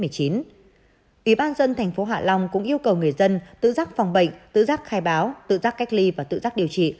ủy ban dân thành phố hạ long cũng yêu cầu người dân tự giác phòng bệnh tự giác khai báo tự giác cách ly và tự giác điều trị